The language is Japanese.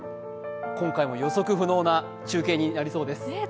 今回も予測不能な中継になりそうです。